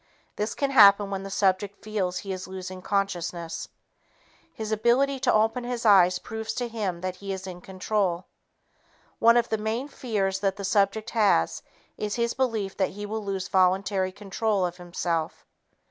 This can happen when the subject feels he is losing consciousness. His ability to open his eyes proves to him that he is in control. One of the main fears that the subject has is his belief that he will lose voluntary control of himself.